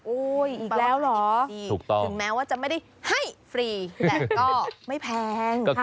อีกแล้วเหรอถึงแม้ว่าจะไม่ได้ให้ฟรีแต่ก็ไม่แพง